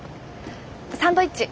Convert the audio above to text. サンドイッチ。